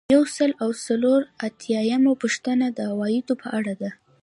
یو سل او څلور اتیایمه پوښتنه د عوایدو په اړه ده.